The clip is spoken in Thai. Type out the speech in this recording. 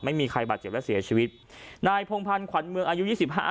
ไม่มีใครบาดเจ็บและเสียชีวิตนายพงพันธ์ขวัญเมืองอายุยี่สิบห้า